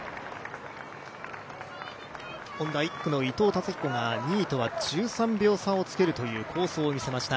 今回、１区の伊藤達也が２位とは１３秒差を付けるという好走を見せました。